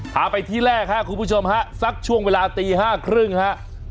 พาไปที่แรกครับคุณผู้ชมฮะสักช่วงเวลาตี๕๓๐ฮะ